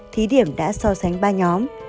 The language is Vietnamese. thí điểm đã so sánh ba nhóm